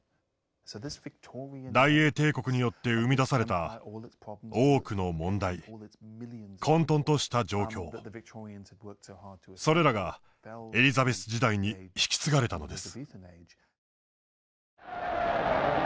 大英帝国によって生み出された多くの問題混とんとした状況それらがエリザベス時代に引き継がれたのです。